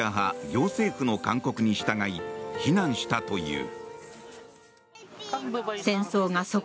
行政府の勧告に従い避難したという。